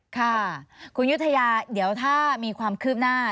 ค่ะคุณยุธยาเดี๋ยวถ้ามีความคืบหน้า